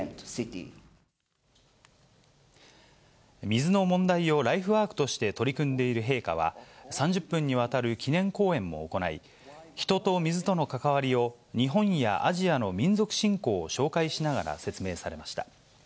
水の問題をライフワークとして取り組んでいる陛下は、３０分にわたる記念講演も行い、人と水との関わりを日本やアジアの民俗信仰を紹介しながら説明されました。